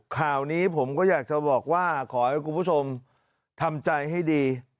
ข่าวนี้ผมก็อยากจะบอกว่าขอให้คุณผู้ชมทำใจให้ดี